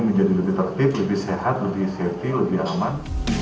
menjadi lebih tertib lebih sehat lebih safety lebih aman